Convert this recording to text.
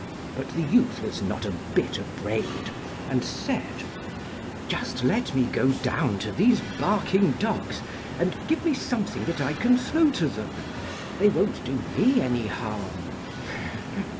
But the youth was not a bit afraid, and said: 'Just let me go down to these barking dogs, and give me something that I can throw to them; they won't do me any harm.'